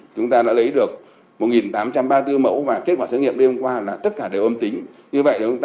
chúng ta đã lấy được một tám trăm ba mươi bốn mẫu và kết quả xử nghiệm đêm qua là tất cả đều âm tính